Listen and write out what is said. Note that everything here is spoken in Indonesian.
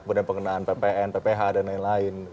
kemudian pengenaan ppn pph dan lain lain